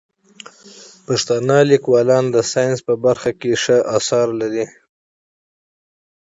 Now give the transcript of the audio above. پښتانه لیکوالان د ساینس په برخه کې ښه اثار لري.